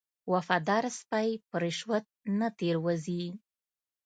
وفادار سپی په رشوت نه تیر وځي.